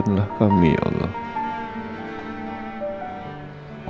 di tempat itu